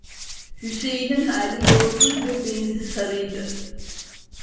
Hüseyin'in hali yorgun ve benzi sarıydı.